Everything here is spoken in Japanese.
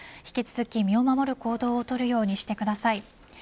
引き続き身を守る行動をとるようにしてください。